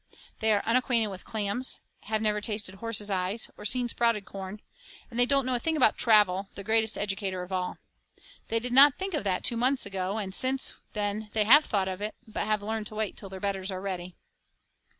They are unacquainted with clams, and have never tasted horses' eyes, or seen sprouted corn, and they don't know a thing about travel, the greatest educator of all. They did not think of that two months ago, and since then they have thought of it, but have learned to wait till their betters are ready.